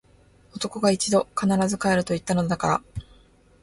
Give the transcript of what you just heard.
男が一度・・・！！！必ず帰ると言ったのだから！！！